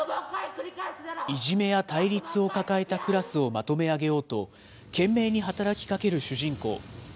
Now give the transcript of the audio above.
いじめや対立を抱えたクラスをまとめあげようと、懸命に働きかける主人公。